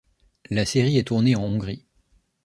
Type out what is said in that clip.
La série est tournée en Hongrie.